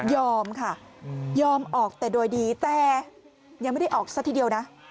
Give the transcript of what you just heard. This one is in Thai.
ค่ะยอมออกแต่โดยดีแต่ยังไม่ได้ออกซะทีเดียวนะ